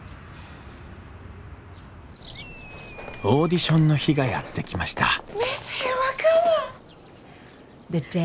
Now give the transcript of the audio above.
オーディションの日がやって来ました